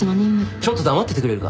ちょっと黙っててくれるか！？